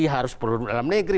harus perlu berumur dalam negeri